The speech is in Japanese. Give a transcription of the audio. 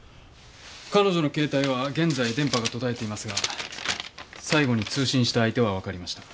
彼女の携帯は現在電波が途絶えていますが最後に通信した相手はわかりました。